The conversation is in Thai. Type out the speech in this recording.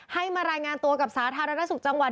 ให้มารายงานตัวกับสาธารสุขาศตะลรัฐจังหวัน